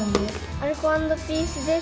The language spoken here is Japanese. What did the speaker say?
アルコ＆ピースです。